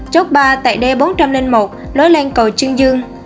chốt ba tại đê bốn trăm linh một lối lên cầu trương dương